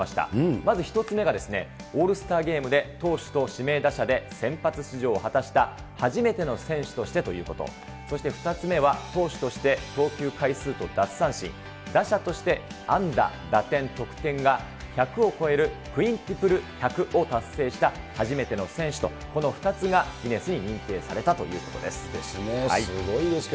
まず１つ目が、オールスターゲームで投手と指名打者で先発出場を果たした初めての選手としてということ、そして２つ目は、投手として投球回数と奪三振、打者として安打、打点、得点が１００を超える、クインティプル１００を達成した初めての選手と、この２つがギネスに認定されたということです。ですね。